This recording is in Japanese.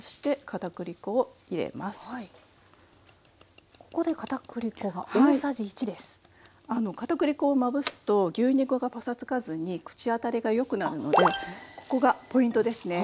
かたくり粉をまぶすと牛肉がパサつかずに口当たりがよくなるのでここがポイントですね。